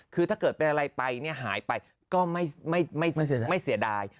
คือถ้าเกิดเป็นอะไรไปเนี่ยหายไปก็ไม่เสียดาย